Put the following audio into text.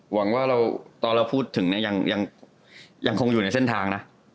หวังว่าตอนเราพูดถึงเนี่ยยังคงอยู่ในเส้นทางนะ